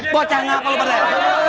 bocah ngapa lu berdaya